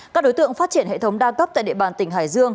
các đối tượng phát triển hệ thống đa cấp tại địa bàn tỉnh hải dương